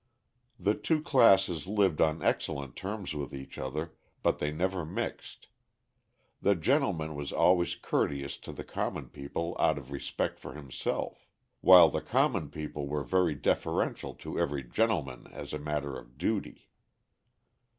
The two classes lived on excellent terms with each other, but they never mixed. The gentleman was always courteous to the common people out of respect for himself; while the common people were very deferential to every gentleman as a matter of duty.